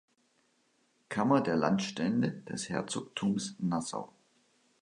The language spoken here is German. Kammer der Landstände des Herzogtums Nassau.